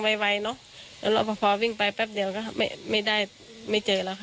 ไวเนอะแล้วเราพอวิ่งไปแป๊บเดียวก็ไม่ได้ไม่เจอแล้วค่ะ